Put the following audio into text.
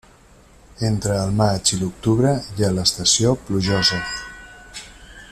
Entre el maig i l'octubre hi ha l'estació plujosa.